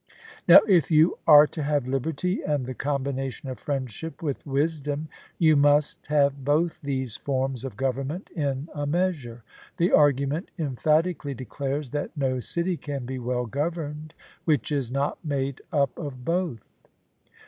Now, if you are to have liberty and the combination of friendship with wisdom, you must have both these forms of government in a measure; the argument emphatically declares that no city can be well governed which is not made up of both.